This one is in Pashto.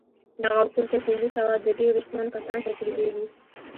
دغه اصول تر پينځه سوه د ډېرو شتمنو کسانو تجربې دي.